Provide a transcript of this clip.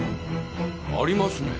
ありますね。